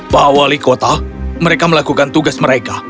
pak wali kota mereka melakukan tugas mereka